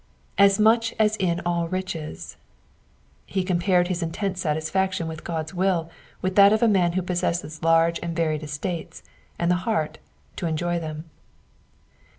^ much as in all riches.^^ He compared his intense satisfaction with God's will with that of a man who possesses large and varied estates, and the heart to enjoy them.